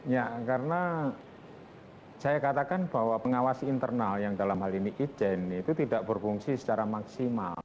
ya karena saya katakan bahwa pengawas internal yang dalam hal ini ijen itu tidak berfungsi secara maksimal